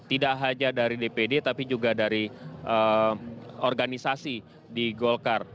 tidak hanya dari dpd tapi juga dari organisasi di golkar